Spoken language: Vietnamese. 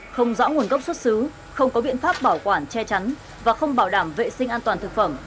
không rõ nguồn gốc xuất xứ không có biện pháp bảo quản che chắn và không bảo đảm vệ sinh an toàn thực phẩm